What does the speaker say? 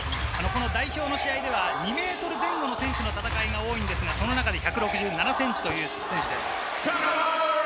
代表の試合では２ｍ前後の戦いが多いんですが、その中での１６７ｃｍの選手。